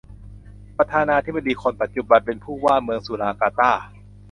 ประธานาธิปดีคนปัจจุบัน เป็นผู้ว่าเมืองสุราการ์ตา